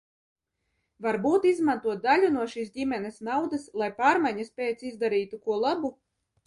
Varbūt izmantot daļu no šīs ģimenes naudas, lai pārmaiņas pēc izdarītu ko labu?